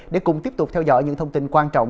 để cùng tiếp tục theo dõi những thông tin quan trọng